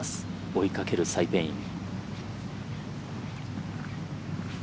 追いかけるサイ・ペイイン。